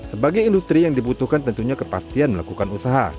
sebagai industri yang dibutuhkan tentunya kepastian melakukan usaha